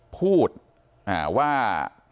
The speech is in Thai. พูดว่า